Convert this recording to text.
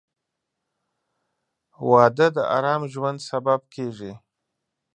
• واده د ارام ژوند سبب کېږي.